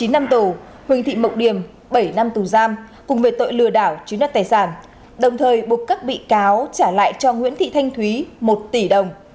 chín năm tù huỳnh thị mộc điềm bảy năm tù giam cùng về tội lừa đảo chứng đạt tài sản đồng thời buộc các bị cáo trả lại cho nguyễn thị thanh thúy một tỷ đồng